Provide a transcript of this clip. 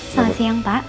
selamat siang pak